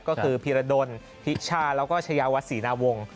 ก็คือพีรดลพิชาแล้วก็ชายาวัดศรีนาวงศ์